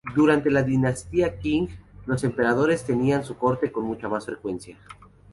Durante la dinastía Qing, los emperadores tenían su corte con mucha más frecuencia.